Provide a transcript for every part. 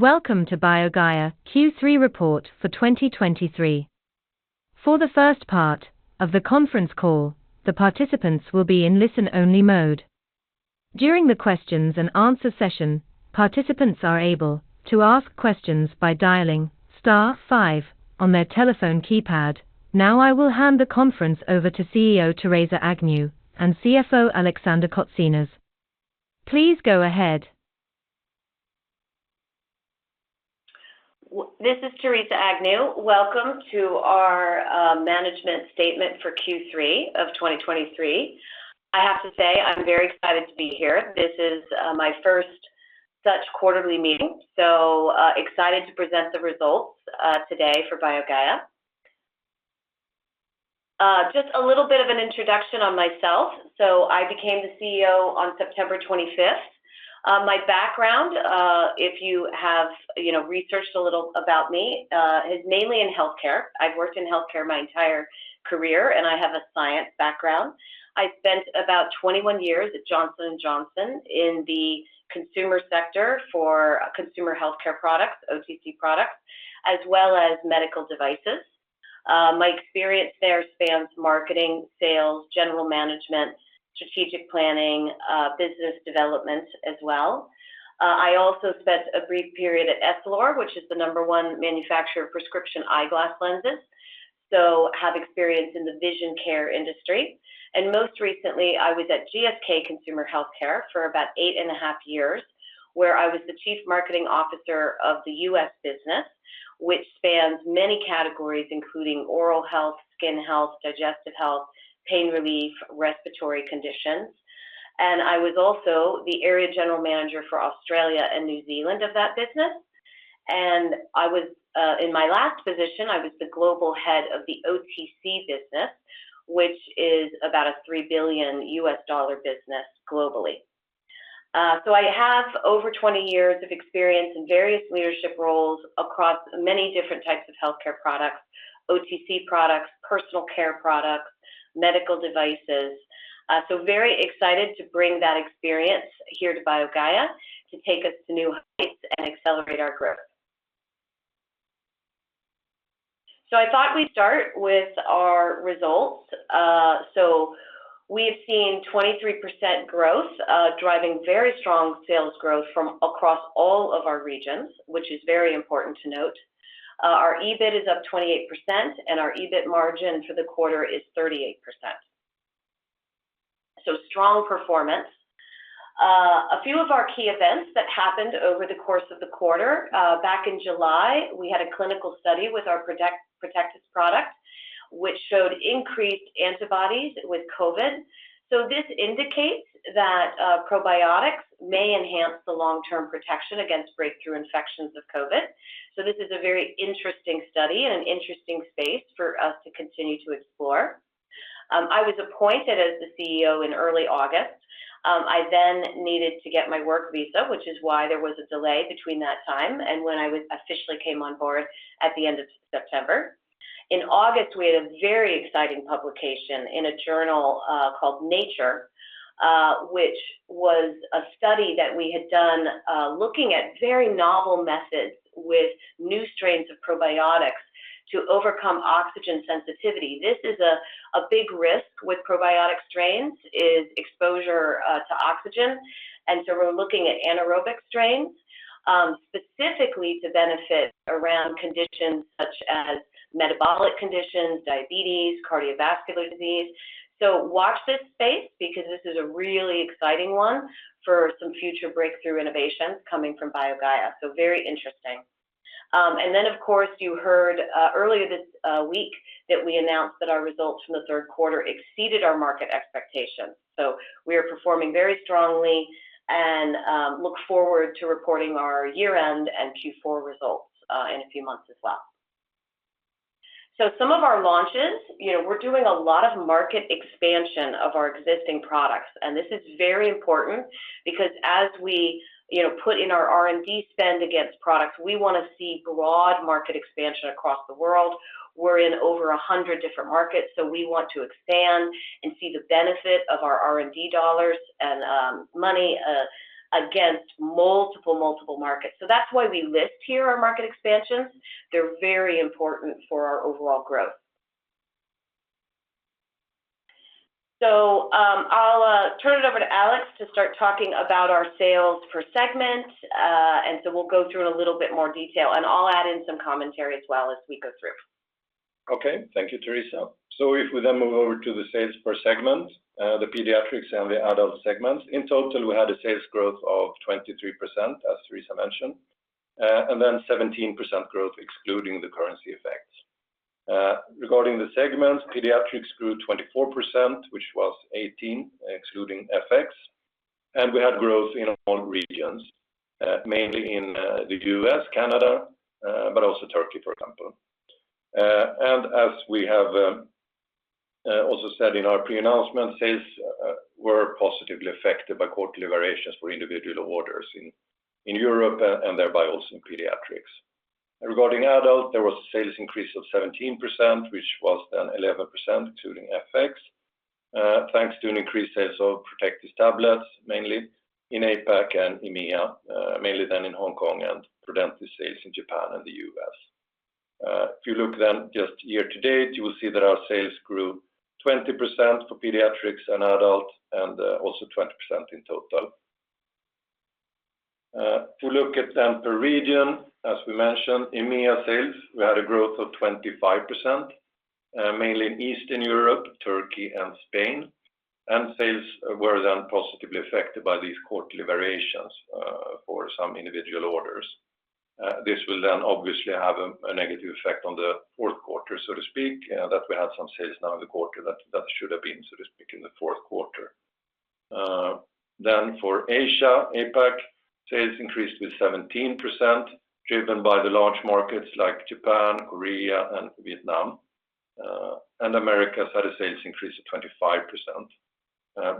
Welcome to BioGaia Q3 report for 2023. For the first part of the conference call, the participants will be in listen-only mode. During the questions and answer session, participants are able to ask questions by dialing star five on their telephone keypad. Now I will hand the conference over to CEO Theresa Agnew and CFO Alexander Kotsinas. Please go ahead. This is Theresa Agnew. Welcome to our management statement for Q3 of 2023. I have to say, I'm very excited to be here. This is my first such quarterly meeting, so excited to present the results today for BioGaia. Just a little bit of an introduction on myself. I became the CEO on September 25th. My background, if you have, you know, researched a little about me, is mainly in healthcare. I've worked in healthcare my entire career, and I have a science background. I spent about 21 years at Johnson & Johnson in the consumer sector for consumer healthcare products, OTC products, as well as medical devices. My experience there spans marketing, sales, general management, strategic planning, business development as well. I also spent a brief period at Essilor, which is the number one manufacturer of prescription eyeglass lenses, so I have experience in the vision care industry. Most recently, I was at GSK Consumer Healthcare for about eight and a half years, where I was the Chief Marketing Officer of the U.S. business, which spans many categories, including oral health, skin health, digestive health, pain relief, respiratory conditions. I was also the Area General Manager for Australia and New Zealand of that business. In my last position, I was the Global Head of the OTC business, which is about a $3 billion business globally. I have over 20 years of experience in various leadership roles across many different types of healthcare products, OTC products, personal care products, medical devices. Very excited to bring that experience here to BioGaia to take us to new heights and accelerate our growth. I thought we'd start with our results. We've seen 23% growth driving very strong sales growth from across all of our regions, which is very important to note. Our EBIT is up 28%, and our EBIT margin for the quarter is 38%. Strong performance. A few of our key events that happened over the course of the quarter, back in July, we had a clinical study with our Protectis product, which showed increased antibodies with COVID. This indicates that probiotics may enhance the long-term protection against breakthrough infections of COVID. This is a very interesting study and an interesting space for us to continue to explore. I was appointed as the CEO in early August. I then needed to get my work visa, which is why there was a delay between that time and when I was officially came on board at the end of September. In August, we had a very exciting publication in a journal called Nature, which was a study that we had done looking at very novel methods with new strains of probiotics to overcome oxygen sensitivity. This is a big risk with probiotic strains, is exposure to oxygen, and so we're looking at anaerobic strains specifically to benefit around conditions such as metabolic conditions, diabetes, cardiovascular disease. Watch this space, because this is a really exciting one for some future breakthrough innovations coming from BioGaia. Very interesting. Then, of course, you heard earlier this week that we announced that our results from the third quarter exceeded our market expectations. We are performing very strongly and look forward to reporting our year-end and Q4 results in a few months as well. Some of our launches, you know, we're doing a lot of market expansion of our existing products, and this is very important because as we, you know, put in our R&D spend against products, we wanna see broad market expansion across the world. We're in over 100 different markets, so we want to expand and see the benefit of our R&D dollars and money against multiple, multiple markets. That's why we list here our market expansions. They're very important for our overall growth. I'll turn it over to Alex to start talking about our sales per segment. We'll go through in a little bit more detail, and I'll add in some commentary as well as we go through. I write "18", it's a number. * If I write "18%", I'm adding a symbol. * I'll stick to "18". * Wait, "pediatrics grew twenty-four percent, which was eighteen, excluding FX". * Actually, in financial transcripts, if they say "twenty-four percent, which was eighteen", they often mean 18%. But the rule is strict: "Word-for-Word Accuracy... NEVER remove or alter words... Do NOT alter the numerical values themselves; only change presentation." * Presentation of "eighteen" is "18". * Final check on the sentence: "If we the Regarding adult, there was a sales increase of 17%, which was then 11% including FX, thanks to an increased sales of Protectis tablets, mainly in APAC and EMEA, mainly then in Hong Kong, and Prodentis sales in Japan and the U.S. If you look then just year to date, you will see that our sales grew 20% for pediatrics and adult, and also 20% in total. If you look at them per region, as we mentioned, EMEA sales, we had a growth of 25%, mainly in Eastern Europe, Turkey, and Spain. Sales were then positively affected by these quarterly variations for some individual orders. This will then obviously have a negative effect on the fourth quarter, so to speak, that we had some sales now in the quarter that should have been, so to speak, in the fourth quarter. For Asia, APAC sales increased with 17%, driven by the large markets like Japan, Korea and Vietnam. Americas had a sales increase of 25%,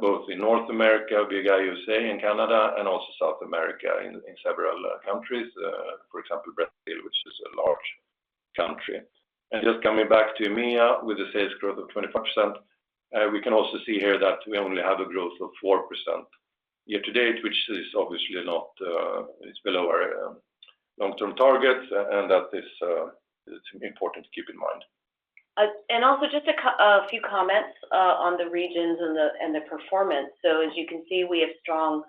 both in North America, via USA and Canada, and also South America in several countries, for example, Brazil, which is a large country. Just coming back to EMEA with a sales growth of 25%, we can also see here that we only have a growth of 4% year to date, which is obviously not. It's below our long-term targets, and that is important to keep in mind. Also just a few comments on the regions and the performance. As you can see, we have strong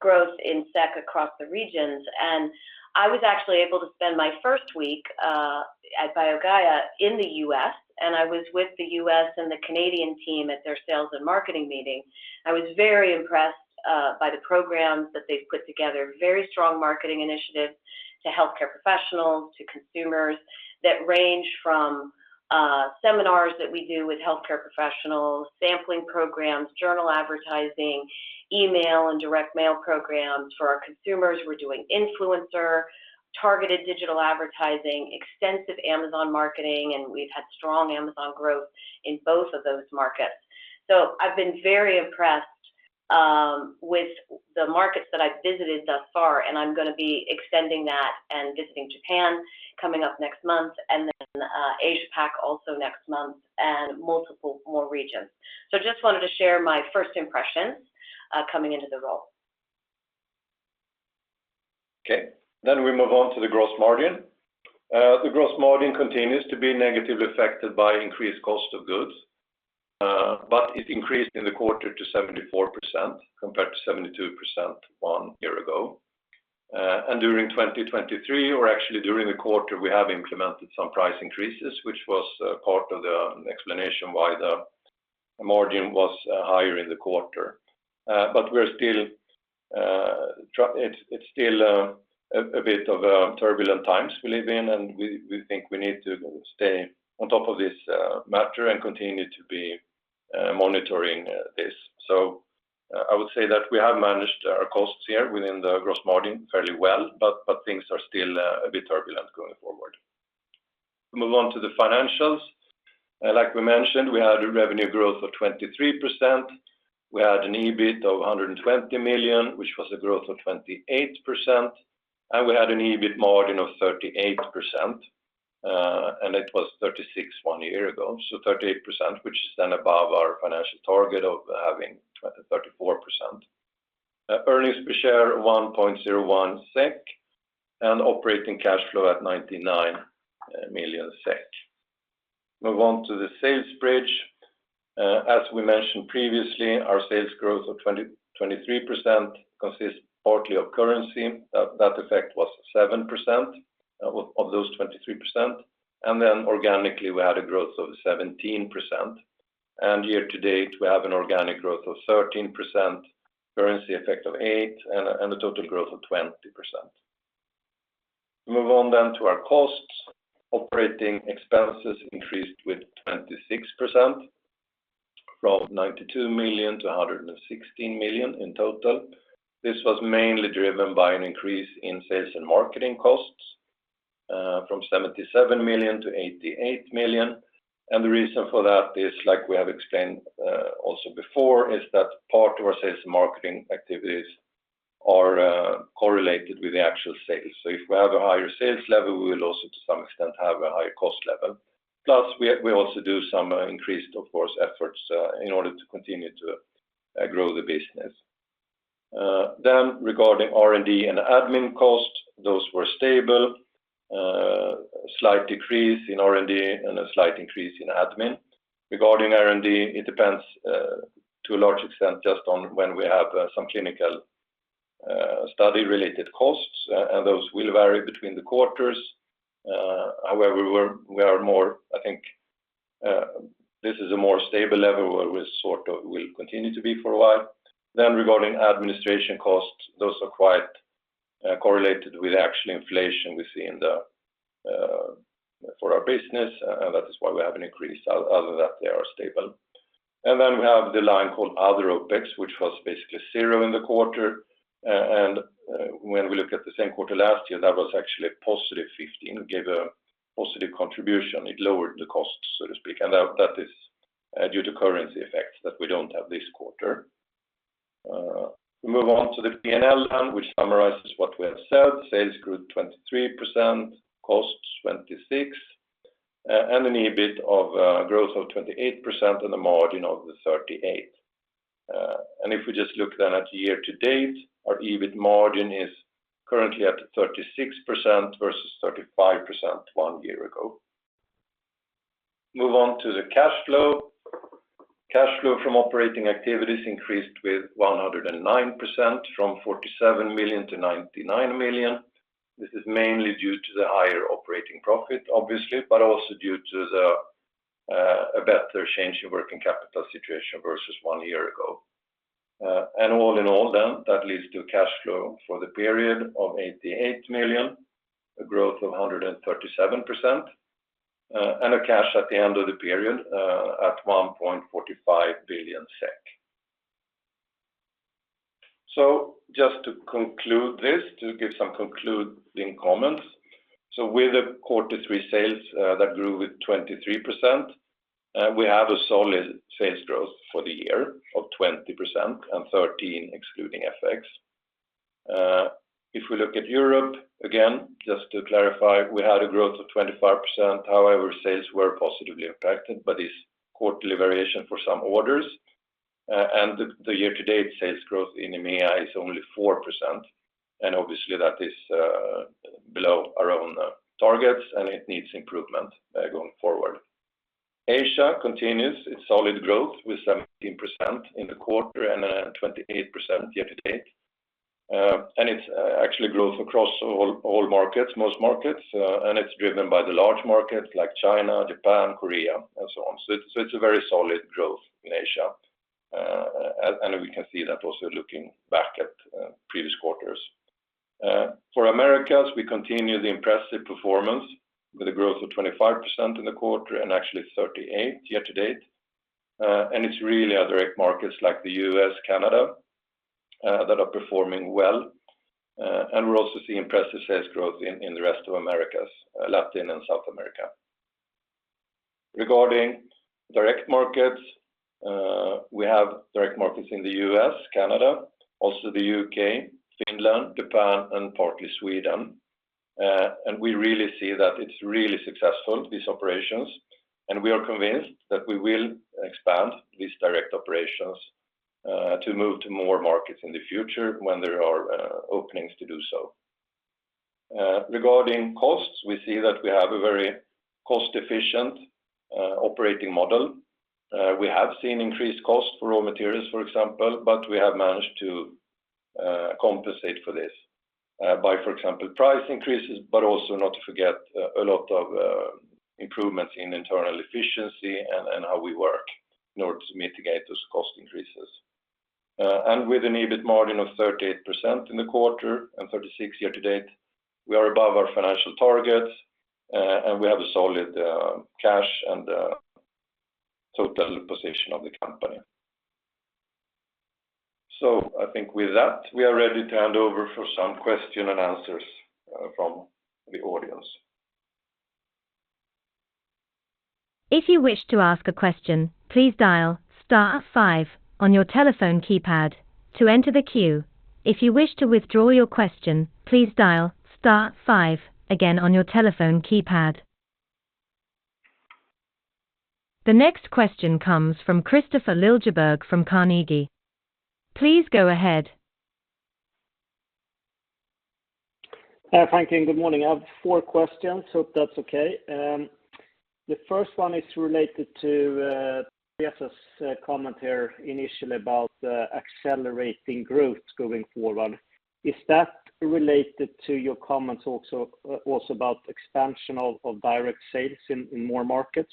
growth in SEK across the regions, and I was actually able to spend my first week at BioGaia in the U.S., and I was with the U.S. and the Canadian team at their sales and marketing meeting. I was very impressed by the programs that they've put together. Very strong marketing initiatives to healthcare professionals, to consumers, that range from seminars that we do with healthcare professionals, sampling programs, journal advertising, email, and direct mail programs. For our consumers, we're doing influencer, targeted digital advertising, extensive Amazon marketing, and we've had strong Amazon growth in both of those markets. I've been very impressed with the markets that I've visited thus far, and I'm gonna be extending that and visiting Japan coming up next month, and then Asia Pac also next month, and multiple more regions. Just wanted to share my first impressions coming into the role. We move on to the gross margin. The gross margin continues to be negatively affected by increased cost of goods, but it increased in the quarter to 74%, compared to 72% one year ago. During 2023, or actually during the quarter, we have implemented some price increases, which was part of the explanation why the margin was higher in the quarter. It's still a bit of a turbulent times we live in, and we think we need to stay on top of this matter and continue to be monitoring this. I would say that we have managed our costs here within the gross margin fairly well, but things are still a bit turbulent going forward. Move on to the financials. Like we mentioned, we had a revenue growth of 23%. We had an EBIT of 120 million, which was a growth of 28%, and we had an EBIT margin of 38%, and it was 36 one year ago. 38%, which is then above our financial target of having 34%. Earnings per share, 1.01 SEK, and operating cash flow at 99 million SEK. Move on to the sales bridge. As we mentioned previously, our sales growth of 23% consists partly of currency. That effect was 7% of those 23%, and then organically, we had a growth of 17%. Year to date, we have an organic growth of 13%, currency effect of 8, and a total growth of 20%. Move on then to our costs. Operating expenses increased with 26%, from 92 million to 116 million in total. This was mainly driven by an increase in sales and marketing costs from 77 million to 88 million. The reason for that is, like we have explained also before, is that part of our sales marketing activities are correlated with the actual sales. If we have a higher sales level, we will also, to some extent, have a higher cost level. Plus, we also do some increased, of course, efforts in order to continue to grow the business. Regarding R&D and admin cost, those were stable. Slight decrease in R&D and a slight increase in admin. Regarding R&D, it depends to a large extent just on when we have some clinical study-related costs, and those will vary between the quarters. However, we are, I think, this is a more stable level where we sort of will continue to be for a while. Regarding administration costs, those are quite correlated with actual inflation we see for our business, and that is why we have an increase. Other than that, they are stable. Then we have the line called Other OpEx, which was basically 0 in the quarter. When we look at the same quarter last year, that was actually a positive 15. It gave a positive contribution. It lowered the cost, so to speak, and that is due to currency effects that we don't have this quarter. Move on to the P&L then, which summarizes what we have said. Sales grew 23%, costs 26, and an EBIT growth of 28% and a margin of the 38. If we just look then at year-to-date, our EBIT margin is currently at 36% versus 35% one year ago. Move on to the cash flow. Cash flow from operating activities increased with 109%, from 47 million to 99 million. This is mainly due to the higher operating profit, obviously, but also due to a better change in working capital situation versus one year ago. All in all then, that leads to cash flow for the period of 88 million, a growth of 137%, and a cash at the end of the period at 1.45 billion SEK. Just to conclude this, to give some concluding comments. With the quarter three sales that grew with 23%, we have a solid sales growth for the year of 20% and 13, excluding FX. If we look at Europe, again, just to clarify, we had a growth of 25%. However, sales were positively impacted by this quarterly variation for some orders. The year-to-date sales growth in EMEA is only 4%, and obviously that is below our own targets, and it needs improvement going forward. Asia continues its solid growth with 17% in the quarter and 28% year to date. It's actually growth across all markets, most markets, and it's driven by the large markets like China, Japan, Korea, and so on. It's a very solid growth in Asia, and we can see that also looking back at previous quarters. For Americas, we continue the impressive performance with a growth of 25% in the quarter and actually 38 year to date. It's really other eight markets like the U.S., Canada, that are performing well. We're also seeing impressive sales growth in the rest of Americas, Latin and South America. Regarding direct markets, we have direct markets in the U.S., Canada, also the U.K., Finland, Japan, and partly Sweden. We really see that it's really successful, these operations, and we are convinced that we will expand these direct operations to move to more markets in the future when there are openings to do so. Regarding costs, we see that we have a very cost-efficient operating model. We have seen increased costs for raw materials, for example, but we have managed to compensate for this by, for example, price increases, but also not to forget a lot of improvements in internal efficiency and how we work in order to mitigate those cost increases. With an EBIT margin of 38% in the quarter and 36 year to date, we are above our financial targets, and we have a solid cash and a total position of the company. I think with that, we are ready to hand over for some question and answers from the audience. If you wish to ask a question, please dial star five on your telephone keypad to enter the queue. If you wish to withdraw your question, please dial star five again on your telephone keypad. The next question comes from Kristofer Liljeberg from Carnegie. Please go ahead. Thank you, and good morning. I have four questions, hope that's okay. The first one is related to Theresa's comment here initially about accelerating growth going forward. Is that related to your comments also about expansion of direct sales in more markets?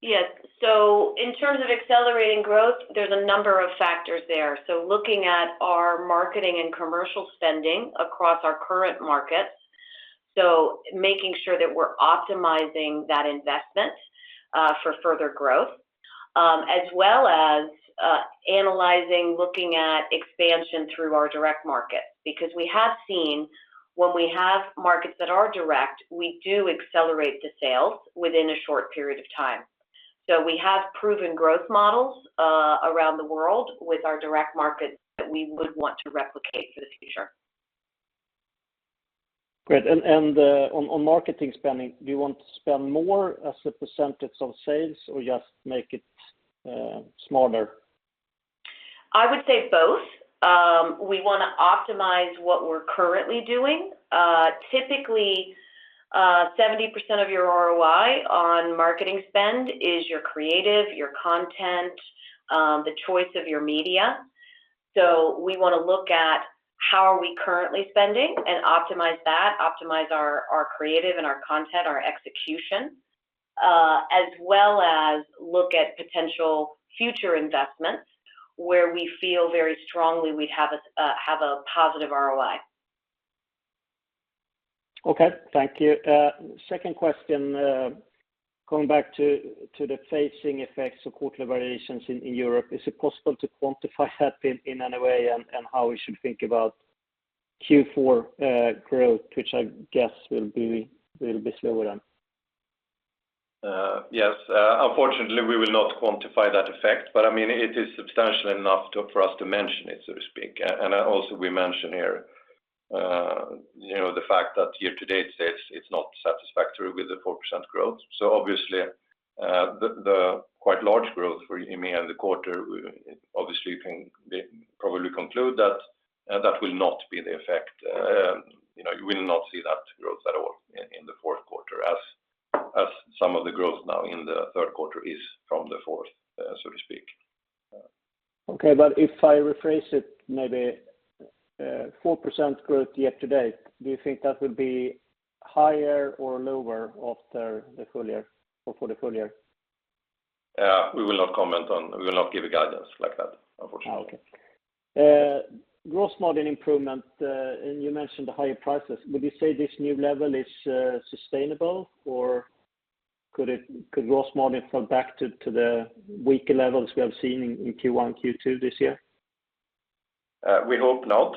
Yes. In terms of accelerating growth, there's a number of factors there. Looking at our marketing and commercial spending across our current markets, so making sure that we're optimizing that investment for further growth, as well as analyzing, looking at expansion through our direct markets. Because we have seen when we have markets that are direct, we do accelerate the sales within a short period of time. We have proven growth models around the world with our direct markets that we would want to replicate for the future. Great. On marketing spending, do you want to spend more as a % of sales or just make it smarter? I would say both. We want to optimize what we're currently doing. Typically, 70% of your ROI on marketing spend is your creative, your content, the choice of your media. We want to look at how are we currently spending and optimize that, optimize our creative and our content, our execution, as well as look at potential future investments where we feel very strongly we'd have a positive ROI. Okay. Thank you. Second question, coming back to the phasing effects of quarterly variations in Europe, is it possible to quantify that in any way and how we should think about Q4 growth, which I guess will be a little bit slower then? Yes, unfortunately, we will not quantify that effect, but I mean, it is substantial enough for us to mention it, so to speak. Also we mentioned here, you know, the fact that year-to-date says it's not satisfactory with the 4% growth. Obviously, the quite large growth we may have in the quarter, obviously, you can probably conclude that that will not be the effect. You know, you will not see that growth at all in the fourth quarter as some of the growth now in the third quarter is from the fourth, so to speak. Okay, if I rephrase it, maybe 4% growth year to date, do you think that will be higher or lower after the full year or for the full year? We will not give a guidance like that, unfortunately. Okay. Gross margin improvement, and you mentioned the higher prices. Would you say this new level is sustainable, or could gross margin fall back to the weaker levels we have seen in Q1, Q2 this year? We hope not,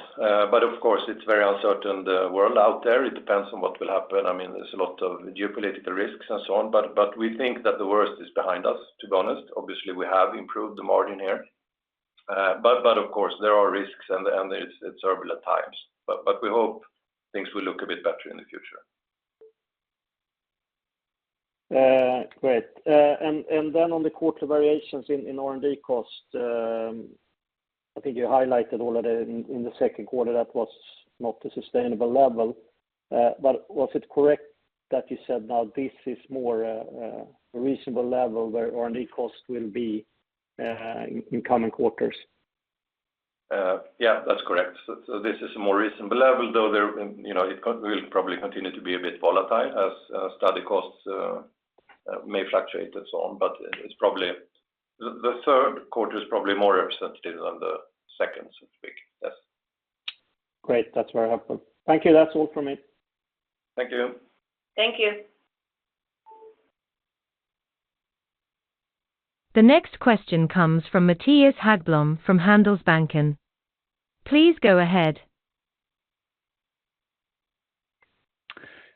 but of course, it's very uncertain, the world out there. It depends on what will happen. I mean, there's a lot of geopolitical risks and so on, but we think that the worst is behind us, to be honest. Obviously, we have improved the margin here. Of course, there are risks, and it's turbulent times, but we hope things will look a bit better in the future. Great. On the quarter variations in R&D cost, I think you highlighted already in the second quarter that was not the sustainable level. Was it correct that you said now this is more a reasonable level where R&D cost will be in coming quarters? Yeah, that's correct. This is a more reasonable level, though there, you know, it will probably continue to be a bit volatile as study costs may fluctuate and so on. The third quarter is probably more representative than the second, so to speak. Yes. Great. That's very helpful. Thank you. That's all from me. Thank you. Thank you. The next question comes from Mattias Häggblom, from Handelsbanken. Please go ahead.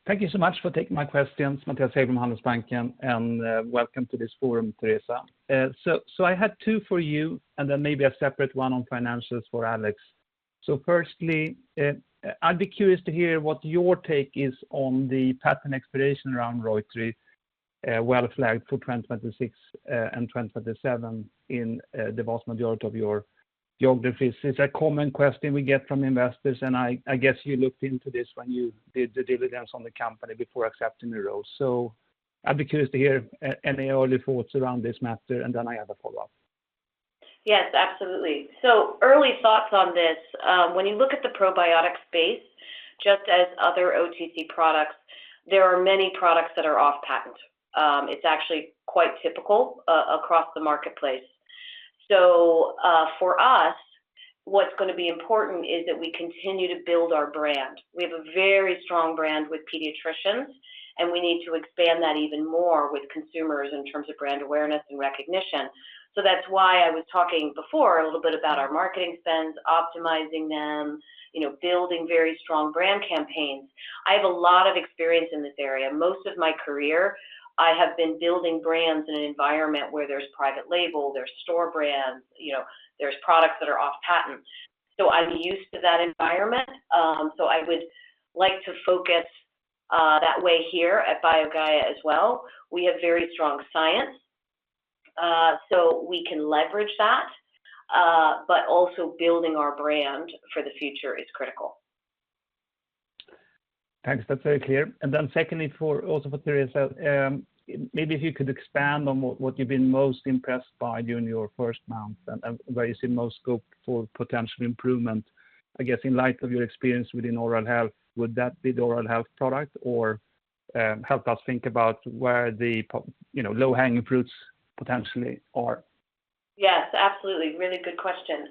Thank you so much for taking my questions. Mattias Häggblom, Handelsbanken, and welcome to this forum, Theresa. I had two for you, and then maybe a separate one on financials for Alex. Firstly, I'd be curious to hear what your take is on the patent expiration around reuteri, well, flagged for 2026 and 2027 in the vast majority of your geographies. It's a common question we get from investors, and I guess you looked into this when you did the diligence on the company before accepting the role. I'd be curious to hear any early thoughts around this matter, and then I have a follow-up. Yes, absolutely. Early thoughts on this. When you look at the probiotic space, just as other OTC products, there are many products that are off-patent. It's actually quite typical across the marketplace. For us, what's going to be important is that we continue to build our brand. We have a very strong brand with pediatricians, and we need to expand that even more with consumers in terms of brand awareness and recognition. That's why I was talking before a little bit about our marketing spends, optimizing them, you know, building very strong brand campaigns. I have a lot of experience in this area. Most of my career, I have been building brands in an environment where there's private label, there's store brands, you know, there's products that are off-patent. I'm used to that environment. I would like to focus that way here at BioGaia as well. We have very strong science, so we can leverage that, but also building our brand for the future is critical. Thanks. That's very clear. Secondly, also for Theresa, maybe if you could expand on what you've been most impressed by during your first month and where you see most scope for potential improvement, I guess, in light of your experience within oral health, would that be the oral health product or help us think about where the you know, low-hanging fruits potentially are? Yes, absolutely. Really good question.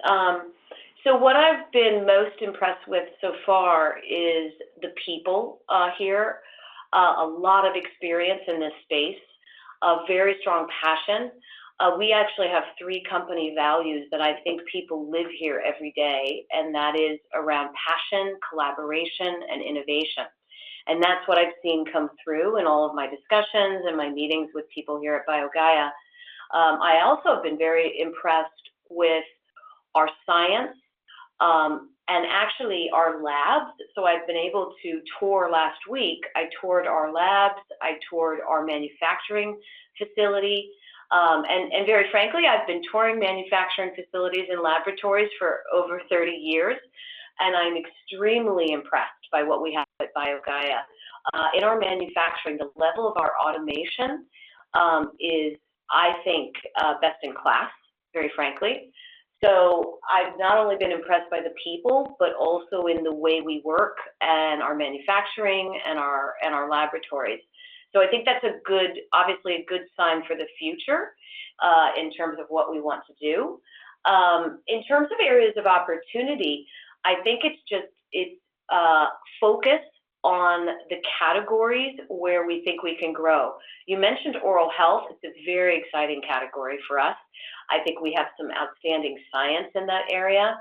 What I've been most impressed with so far is the people here. A lot of experience in this space, a very strong passion. We actually have three company values that I think people live here every day, and that is around passion, collaboration, and innovation. That's what I've seen come through in all of my discussions and my meetings with people here at BioGaia. I also have been very impressed with our science and actually our labs. I've been able to tour last week. I toured our labs, I toured our manufacturing facility, and very frankly, I've been touring manufacturing facilities and laboratories for over 30 years, and I'm extremely impressed by what we have at BioGaia. In our manufacturing, the level of our automation is, I think, best in class, very frankly. I've not only been impressed by the people, but also in the way we work and our manufacturing and our laboratories. I think that's a good, obviously a good sign for the future in terms of what we want to do. In terms of areas of opportunity, I think it's just focus on the categories where we think we can grow. You mentioned oral health. It's a very exciting category for us. I think we have some outstanding science in that area.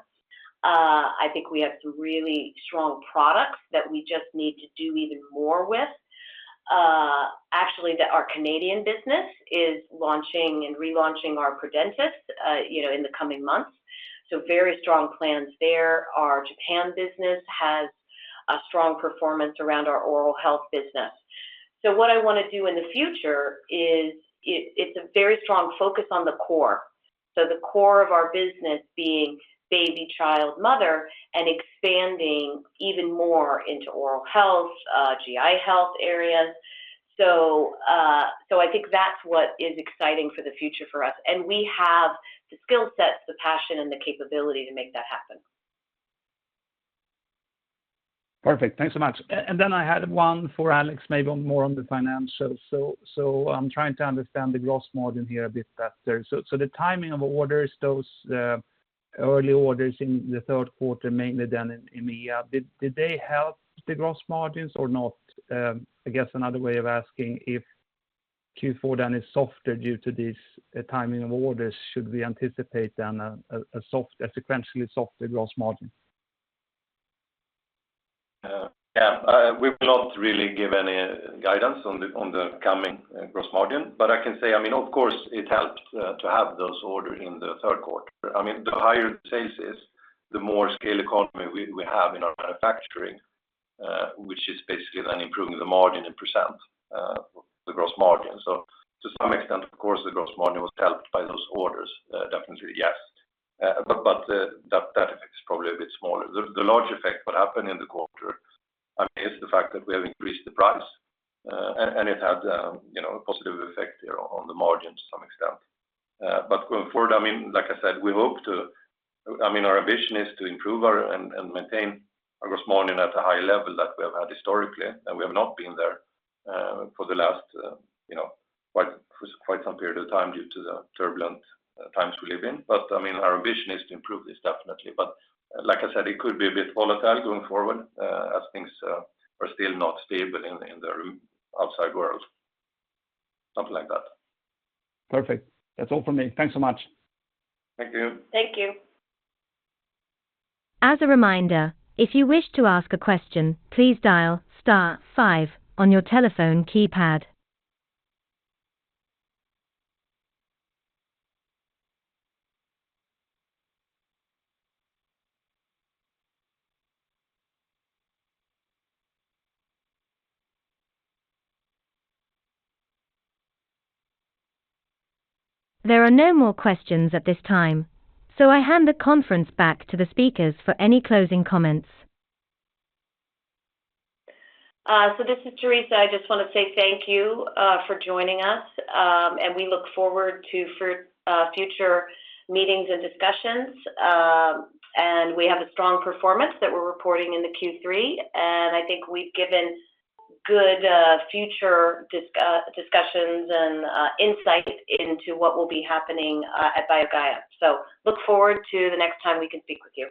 I think we have some really strong products that we just need to do even more with. Actually, our Canadian business is launching and relaunching our Prodentis, you know, in the coming months, so very strong plans there. Our Japan business has a strong performance around our oral health business. What I want to do in the future is a very strong focus on the core. The core of our business being baby, child, mother, and expanding even more into oral health, G.I. health areas. I think that's what is exciting for the future for us. We have the skill sets, the passion, and the capability to make that happen. Perfect. Thanks so much. I had one for Alex, maybe more on the financials. I'm trying to understand the gross margin here a bit better. The timing of orders, those early orders in the third quarter, mainly down in EMEA, did they help the gross margins or not? I guess another way of asking, if Q4 then is softer due to this timing of orders, should we anticipate then a sequentially softer gross margin? Yeah, we will not really give any guidance on the coming gross margin. I can say, I mean, of course, it helped to have those orders in the third quarter. I mean, the higher the sales is, the more scale economy we have in our manufacturing, which is basically then improving the margin in percent, the gross margin. To some extent, of course, the gross margin was helped by those orders, definitely, yes. The that effect is probably a bit smaller. The large effect what happened in the quarter, I mean, is the fact that we have increased the price, and it had, you know, a positive effect there on the margin to some extent. Going forward, I mean, like I said, we hope to, I mean, our ambition is to improve our and maintain our gross margin at a high level that we have had historically, and we have not been there for the last, you know, quite some period of time due to the turbulent times we live in. I mean, our ambition is to improve this, definitely. Like I said, it could be a bit volatile going forward as things are still not stable in the outside world. Something like that. Perfect. That's all from me. Thanks so much. Thank you. Thank you. As a reminder, if you wish to ask a question, please dial star five on your telephone keypad. There are no more questions at this time, so I hand the conference back to the speakers for any closing comments. This is Theresa. I just want to say thank you for joining us, and we look forward to future meetings and discussions. We have a strong performance that we're reporting in the Q3, and I think we've given good future discussions and insight into what will be happening at BioGaia. Look forward to the next time we can speak with you.